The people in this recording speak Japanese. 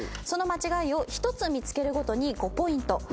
その間違いを１つ見つけるごとに５ポイント。